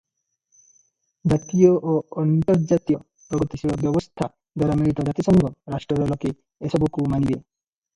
ଜାତୀୟ ଓ ଅନ୍ତର୍ଜାତୀୟ ପ୍ରଗତିଶୀଳ ବ୍ୟବସ୍ଥା ଦ୍ୱାରା ମିଳିତ ଜାତିସଂଘ ରାଷ୍ଟ୍ରର ଲୋକେ ଏସବୁକୁ ମାନିବେ ।